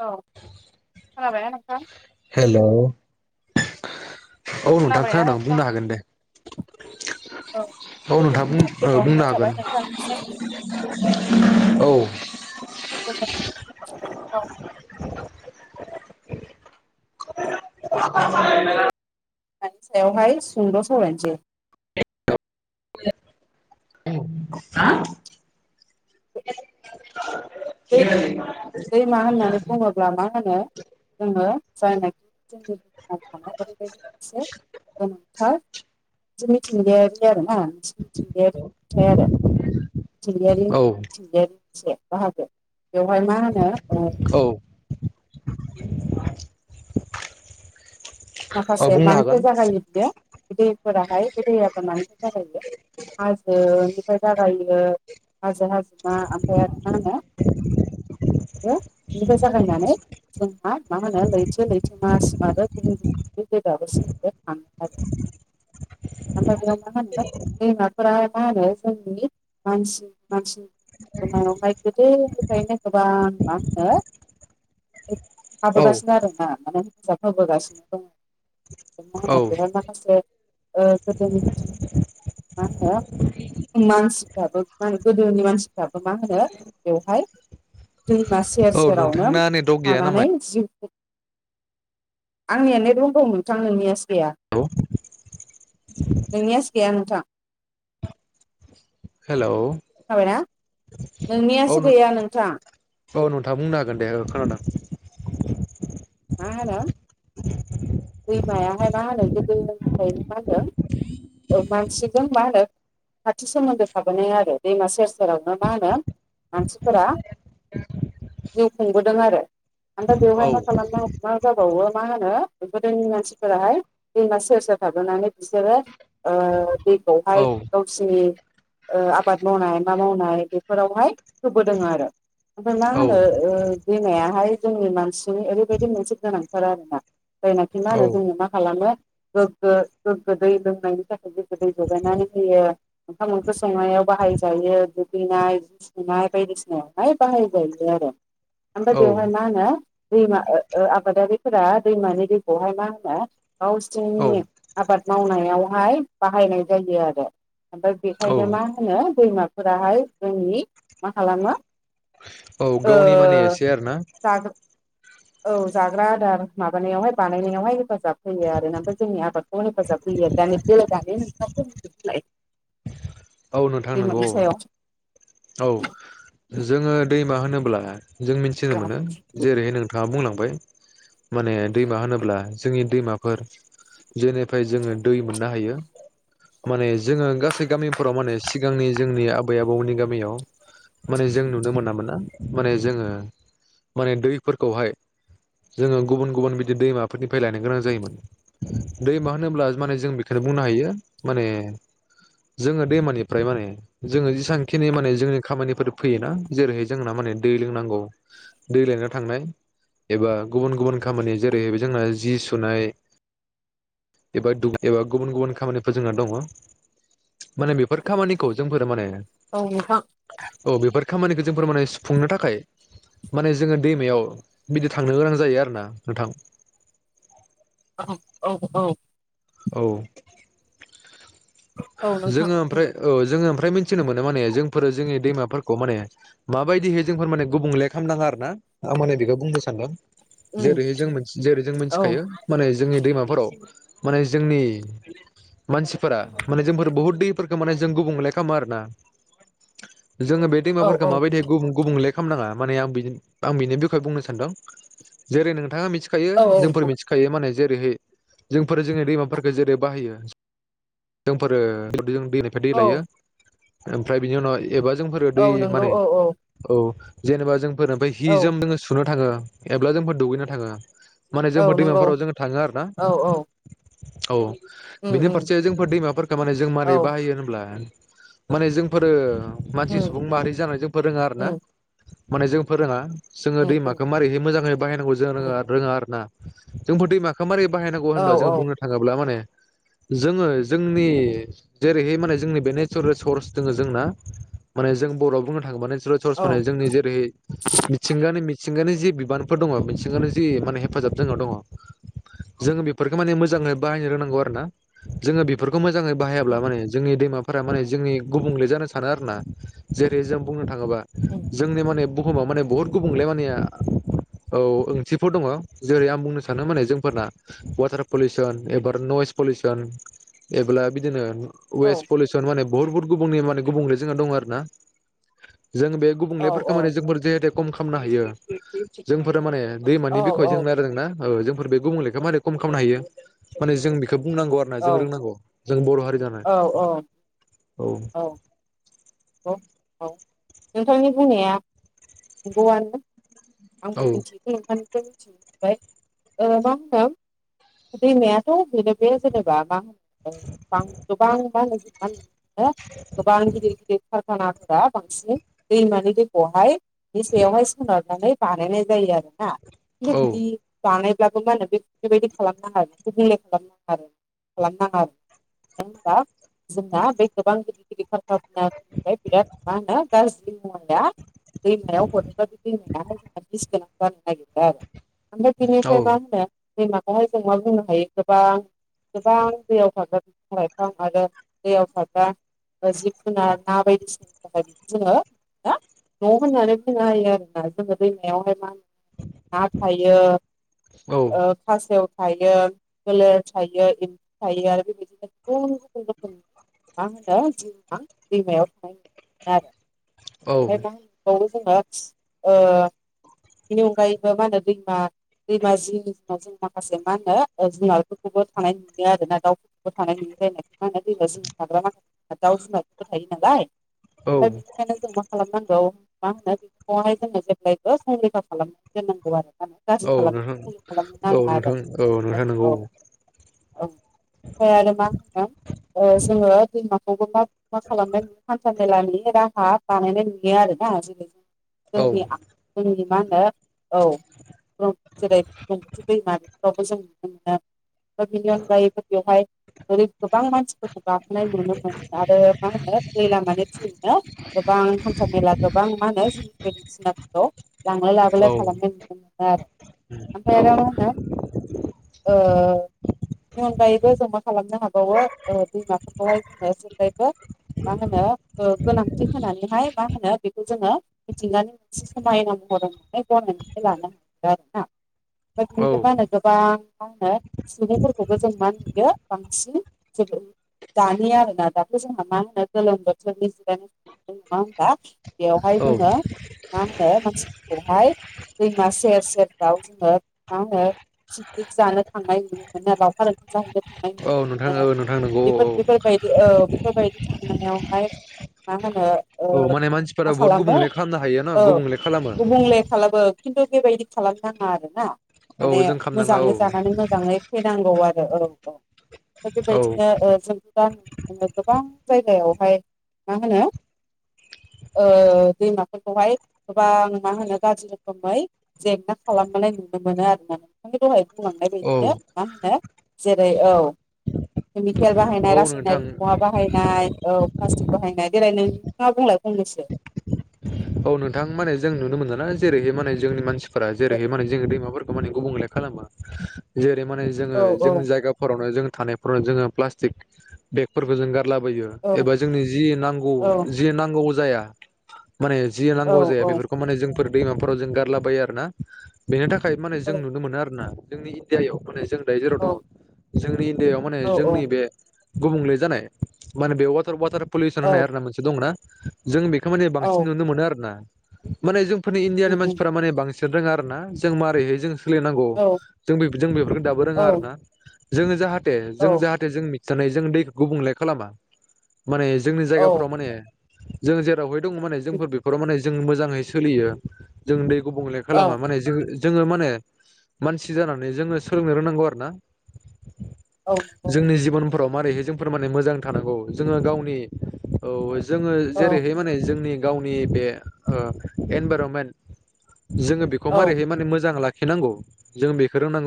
औ खोनाबायना नोंथां? हेलौ औ नोंथां खोनाबायना खोनादों बुंनो औ हागोन दे। औ गोजोन नोंथां बुं मोनाबिलि ओ बुंनो बावहरनाय थाबाय हागोन। नोंथांनिसिम औ [inaudible] [unintelligible] मानि सायावहाय सुंद' सवरायनसै। हा दै [inaudible] दैमा होननानै बुङोब्ला मा होनो जोङो जायनाखि जोंनि बुहुमाव थानाय ओरैबायदि मोनसे गोमोथाव मोनसे मिथिंगायारि आरो ना मोनसे मिथिंगायारि नुथाय आरो। मिथिंगायारि औ मिथिंगायारि मोनसे बाहागो। बेवहाय मा होनो ओ औ माखासे बुंनो हागोन मानिफ्राय जागायो बियो बे दैफोराहाय बे [unintelligible] मानोथो जागायो हाजोनिफ्राय जागायो हाजो हाजोमा ओमफाय आरो मा होनो [inaudible] [unintelligible] बेनिफाय जागायनानै जोंहा मा होनो लैथो लैथोमासिम आरो गुबुन गु [unintelligible] ओमफाय बेयाव मा होनो दैमाफोरा माहोनो जोंनि मानसि मानसि [unintelligible] गोदोनिफ्रायनो गोबां मा होनो औ थाबोगासिनो आरो ना माने हेफासाब होबोगासिनो दङ। मा औ होनो बेयो माखासे ओ गोदोनि बिथिं मा होनो मानसिफ्राबो मानो गोदोनि मानसिफ्राबो मा होनो बेवहाय दैमा सेर औ सेरावनो नोंथांना नेटवर्क गैया नामा थानानै जिउ आंनिया नेट [unintelligible] नोंथां नोंनियासो गैया हेलौ नोंनियासो गैया नोंथां। हेलौ खोनाबायना औ नोंनियासो गैया नोंथां। औ नोंथाङा बुंनो हागोन दे खोनादों। मा होनो दैमायाहायाहाय मा होनो गोदोनिफ्रायायनो मा होनदों ओ मानसिजों मा होनो खाथि सोमोन्दो थाबोनाय आरो दैमा सेर सेरावनो मा होनो मानसिफोरा जिउ खुंबोदों आरो ओमफाय औ बेवहायनो खालामना मा जाबावो मा होनो गोदोनि मानसिफोराहाय दैमा सेर सेर थाबोनानै बिसोरो औ दैखौहाय गावसिनि आबाद मावनाय मा मावनाय बेफोरावहाय होबोदों आरो ओमफ्राय मा औ होनो दैमायाहाय जोंनि मानसिनि ओरैबायदि मोनसे गोनांथार आरोना जायनाखि मा होनो जोङो मा खालामो गोगो गोगो दै लोंनायनि थाखाय गोगो दै जगायनानै होयो ओंखाम ओंख्रि संनायाव बाहाय जायो दुगैनाय जि सुनाय बायदिसिनायावहाय बाहायजायो आरो ओमफ्राय औ बेवहाय मा होनो दैमा ओ आबादारिफोरा दैमानि दैखौहाय मा होनो गावसनि आबाद मावनायावहाय बाहायनाय जायो आरो ओमफ्राय औ बेखायनो मा होनो दैमाफोराहाय जोंनि मा खालामो औ ओ गावनि माने एसे आरोना [unintelligible] औ जाग्रा आदार माबानायावहाय बानायनायावहाय हेफाजाब होयो आरो ना ओमफ्राय जोंनि आबादखौ हेफाजाब होयो आरो [unintelligible] औ नोंथां नंगौ दैमानि औ सायाव औ जोङो दैमा होनोब्ला जों मिथिनो मोनो जेरैहाय नोंथां आंहा बुंलांबाय माने दैमा होनोब्ला जोंनि दैमाफोर जेनिफ्राय जोङो दै मोननो हायो माने जोङो गासै गामिफोराव माने सिगांनि जोंनि आबै आबौनि गामि याव माने जों नुनो मोनामोनना माने जोङो माने दैफोरखौहाय जोङो गुबुन गुबुन बिदि दैमाफोरनिफ्राय लायनो गोनां जायोमोन दैमा होनोब्ला मान जों बेखौनो बुंनो हायो माने जोंङो दैमानिफ्राय माने जोङो जेसां खिनि माने जोंनि खामानिफोर फैयोना जेरैहाय जोंना माने दै लोंनांगौ दै लायनो थांनाय एबा गुबुन गुबुन खामानि जेरै जोंना जि सुनाय एबा एबा गुबुन गुबुन खामानिफोर जोंहा दङ माने बेफोर खामानिखौ जोंफोरो माने औ नोंथां औ बेफोर खामानिखौ जों फोर माने सुफुंनो थाखाय माने जोङो दैमायाव बिदि थांनो गोनां जायो आरो ना नोंथां औ औ औ औ औ नोंथां जोङो ओमफ्राय औ जोङो ओम फ्राय मिथिनो मोनो माने जोंफोरो जोंनि दैमाफोरखौ माने माबायदिहै जोंफोर माने गुबुंले खालामनाङा आरो ना आं माने बेखौ बुंनो सानदों जेरैहाय जों जेरै जों औ मिथिखायो माने जोंनि दैमाफोराव माने जोंनि मानसिफोरा माने जोंफोर बहुत दैफोरखौ माने जों गुबुंले खालामो आरो ना जोङो बे औ दैमाफोरखौ माबायदि गुबुन गुबुंले खालामनाङा माने आं आं बिनि बिखय बुंनो सानदों जेरै नोंथाङा मिथिखायो औ जोंफोर मिथिखायो माने जेरैहाय जोंफोर जोंनि दैमाफोरफोरखौ जेरै बाहायो जोंफोरो [unintelligible] दै औ लायो ओमफ्राय बिनि उनाव एबा जोंफोरो औ दै नंगौ माने औ औ जेनेबा जोंफोर ओमफ्राय हि औ जोम जोङो सुनो थाङो एब्ला जोंफोर दुगैना थाङो माने औ जोंफोर नंगौ दैमाफोराव जों थाङो आरो ना औ उ उ [unintelligible] जोंफोर दैमाफोरखौ माने जों मारै बाहायो होनब्ला माने जोंफोरो मानसि उम सुबुं माहारि जानायजों फोरोङो आरो ना उम मोने फोरोङा जोङो उम उम दैमाखौ मारोरैहै मोजाङै बाहायनांगौ जों उम रोङा आरो ना जोंफोर दैमाखौ मारै बाहायनांगौ औ होनब्ला जोङो औ बुंनो थाङोब्ला माने जोङो जोंनि जेरैहाय माने जोंनि बे नेचारेल रिसर्स दोङो जोंना माने जों बर'आव बुंनो थाङोब औ [unintelligible] जोंनि जेरै मिथिंगानि मिथिंगानि जि बिबानफोर दङ मि सिंगानि जि माने हेफाजाब जोंनाव दङ जोङो बेफोरखौ माने मोजां [unintelligible] बाहायनो रोंनांगौ आरोना जोङो बेफोरखौ बेफोरखौ मोजाङै बाहायाब्ला उम माने जोंनि दैमा फोरा माने जोंनि गुबुंले जानो सानो आरोना जेरै जों बुंनो थाङोबा उम जोंनि माने बुहाव माने बुहुत गुबुंग्ले माने आ औ ओंथिफोर दङ जेरै आं बुंनो सानो माने जोंफोरना ववाटार पलिउसन एबा नयस पलिउसन जेबोला बिदिनो औ बुहुत बहुत गुबुंनि माने गुबुंले जोंना दङ आरो ना जों बे औ गुबुंलेफोरखौ माने जोंफोर जिहेथु खम खालामनो हायो जोंफोरो माने दैमानि औ औ बिखय औ जों रायलाय जागोन ना जोंफोर बे गुबुंलेखा मारै खम खालामनो हायो माने जों बेखौ बुंनांगौ आरो ना जों रोंनांगौ जों बर' हारि जानानै औ औ औ औ औ नोंथांनि बुंनाया नंगौआनो आंखौ औ मिथिख मि [unintelligible] ओमफ्राय मा होनो दैमायाथ' बेनो बे जेनेबा मा होनो ागोबां मा गोबां गिदिर गिदिर खानाफोरा बांसिन दैमानि दैखौहाय बेसेयावहाय सोनारनानै बानायनाय जायो आरो ना खिथु औ बिदि बानाय ब्लाबो मा होनो बे बेबायदि खालामनो हागो गुबुंले खालाम आरो खालामनााङा आरो मानो होनबा जोंना बे गोबां गिदिर गिदिर कारखाना मा होनो बिराद गाजिरि दैमायाव हरोबा बे दैमाया जोंहा बिस गोनां जानो नागिरो आरो ओमफ्राय बिनिफ्राय औ मा होनो दैमाखौहाय जों मा बुंनो हायो गोबां गोबां दैयाव थागोनायफां आरो दैयाव थाग्रा जिब जुनार ना बायदिसिनि थाखाय बि जोङो न' होननानै फैो हायो आरोना जोङो दैमायावहाय मा होन ना थायो खासेव थायो बोलेर थायो इमफौ थायो आरो बेबायदिनो गोबां रोखोमनि मा होनो दैमायाव थायो औ आरो मा होनो जों बिनि अनगायैबो मा होनो दैमा दैमा जिनि दिनाव जों माखासे मा होनो जुनारफोरखौबो थानाय नुयो आरोना दाउफोरखौबो थानाय नुयो ायनाय मा होनो दैमा जमाव थाग्रा माखासे दाउ जुनारफोरबो थायो नालाय औ ओमफ्राय बेनिखायनो जों मा मा होनो खालामनांगौ बेखौहाय जोङो जेब्लायबो संरेखा खालाम दोननांगौ आरो मानो गाज्रि औ नोंथां खालामनो खालामनो औ नाङा आरो नोंथां ना औ नोंथां नंगौ औ औ ओमफ्राय आरो मा होनो जोङो दैमा खौ मा मा खालामनाय नु हान्था मेलानि राहा बानायनाय नुयो आरोोना जै औ जोंनि जोंनि मा होनो औ जेरै दैमा बेफोरावबो जों नुनो मोनो बिनि अनगायैबो बेवहाय ओरै गोबां मानसिफोरखौ गाखोनाय नुनो मोनो आरो मा होनो फैला मान फनो गोबां घन्टा मेला गोबां मा होनो जिनिस बायदिसिनाफोरखौ लांलाय औ लाबोलाय खालामनाय नुनो मोनो ओमफ्राय आरो मा होनो बेनि अनगायैबो जों मा खालामनो हाबावो दैमाफोरखौहाय जोङो जावोबोला मा होनो गोनां बि होनानैहाय मा होनो बेखौ जोङो मिथिंनानै मोनसे समायना महर होन गनायनानै लानो ह औ बिनिफ्राय मा होनो गोबां मा होनो सिफोरखौबो जों मा नुयो बांसिन जोबोत दानि आरोना दाथ' जोंहा मा होनो गोलोम बोथोरनि जिग जों मा होनबा बेयावहाय औ जोङो मा होनो मानसिफोरखौहाय दैमा सेर सेरफ्राव जोङो मा होनो पिकनिक जानो थांनाय नुनो मोनो लखार ओंखाम औ नोंथां जाहैनो औ नोंथां नंगौ औ बेफोर औ बेफोरबायदि औ बेफोरबायदि थांनायावहाय मा होनो औ माने मा मानसिफोरा बहुत खालामो गुबुंले खालामनो हायो ना औ गुबुंले खालामो गुबुंले खालामो खिन्थु बेबायदि खालामनो नाङा आरो ना औ माने जों खालामनाङा औ मोजाङै जानानै मोजाङै फ नांगौ आरो औ औ बेबायदिनो जों [unintelligible] गोबां जायगायावहाय मा होनो ओ दैमाफोरखौहाय गोबां मा होनो गाज्रि रोखोमै जेंना खालामबोनाय नु नो मोनो आरोना [unintelligible] दहाय बुंलांनाय औ बायदिनो मा होनो जेरै औ केमिकेल बाहाय औ नोंथां [unintelligible] मुवा बाहायनाय औ [unintelligible] [unintelligible] बाहायनाय देलाय नों [unintelligible] बुंलाय फंनैसो औ नोंथां माने जों नुनो मोनलाना जेरैहाय माने जोंनि मानसिफोरा जेरैहाय माने जोनि दैमाफोर खौ माने गुबुंले खालामो जेरै माने जोङो औ जोंनि जायगाफोरावनो जों थानायफोराव जोङो प्लास्टिक बेगफोरखौ जों गार लाबोयो औ एबा जोंनि जि नांनौ औ जि नांगौ जाया माने जि नांगौ जाया औ बेफोरखौ माने जोंफोर दैमाफोराव जों गारलाबायो आरोना बेनि थाखा खाय माने जों औ नुनो मोनो आरोना जोंनि इण्डियायाव माने जों दायो जेराव दङ औ जोंनि इण्डिायाव माने औ जोंनि बे गुबुंले जानाय माने बे वाटार वाटार पलिउसन औ होननाय आरोना मोनसे दंना जों बे खो मामे बांसिन औ नुनो मोनो आरोना माने जोंफोरनि इण्डियानि मानसिफोरा माने बांसिन सोद रोङा आरो ना जों मारैहाय जों सोलिनांगौ औ जों बै जों बेफोरखौ दाबो रोङा आरोना जोङो जाहाथे औ जों जाहाथे जों मिथिनानै जों दैखौ गुबुंले खालामा माने जोंनि औ जायगाफोराव माने जों जेरावहाय दङ माने उम जोंफोर बे माने जों मोजाङै सोलियो जों दै गुबुंले औ खालामा औ माने जोहो जोङो माने मानसि जानानै जोङो सोलोंनो रोंनांगौ आरो ना नंगौ जोंनि जिबन फोराव मारैहाय जोंफोर माने मोजां थानांगौ जोङो गावनि औ जोङो जेरैहाय माने जोंनि गावनि बे ओ एनभरमेन्ट जोङो बेखौ औ मारैहाय माने मोजां लाखिनांगौ जों बेखौ रोंनांगौ